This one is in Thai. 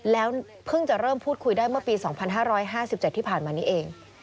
แล้วเพิ่งจะเริ่มพูดคุยได้เมื่อปี๒๕๕๗ที่ผ่านมานี้เอง